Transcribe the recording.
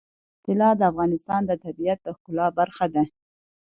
طلا د افغانستان د طبیعت د ښکلا برخه ده.